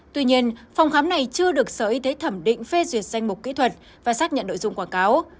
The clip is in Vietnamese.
tuy nhiên phòng khám này chưa được sở y tế thẩm định phê duyệt danh mục kỹ thuật và xác nhận nội dung quảng cáo